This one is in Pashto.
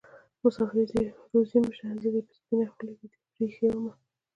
مسافري دې روزي مه شه زه دې په سپينه خولې ويده پرې ايښې ومه